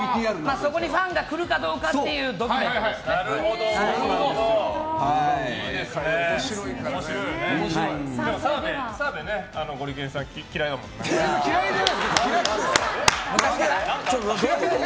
そこにファンが来るかどうかっていうドキュメントですね。